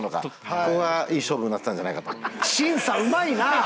ここがいい勝負になってたんじゃないかと。